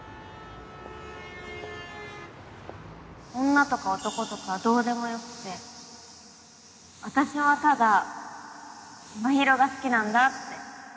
・女とか男とかどうでもよくて私はただ真尋が好きなんだって